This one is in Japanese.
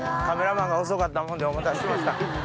カメラマンが遅かったもんでお待たせしました。